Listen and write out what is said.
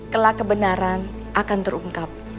kelak kebenaran akan terungkap